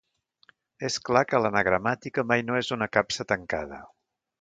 És clar que l'anagramàtica mai no és una capsa tancada.